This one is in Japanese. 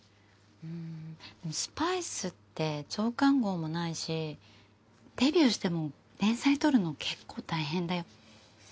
うん「スパイス」って増刊号もないしデビューしても連載とるの結構大変だよ。